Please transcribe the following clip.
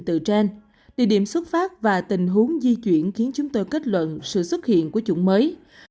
từ trên địa điểm xuất phát và tình huống di chuyển khiến chúng tôi kết luận sự xuất hiện của chủng mới